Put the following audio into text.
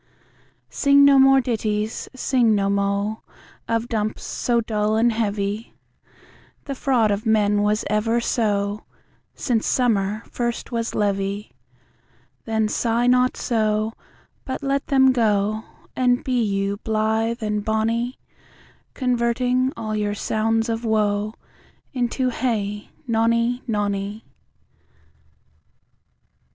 Sing no more ditties, sing no mo, Or dumps so dull and heavy; The fraud of men was ever so, Since summer first was leavy. Then sigh not so, But let them go, And be you blithe and bonny, Converting all your sounds of woe Into. Hey, nonny, nonny.